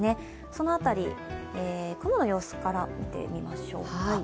その辺り雲の様子から見てみましょうか。